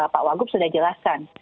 pak wagub sudah jelaskan